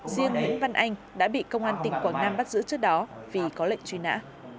riêng nguyễn văn anh đã bị công an tỉnh quảng nam bắt giữ trước đó vì có lệnh truy nã